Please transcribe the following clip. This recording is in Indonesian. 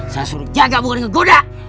saya suruh jaga bukan ngegoda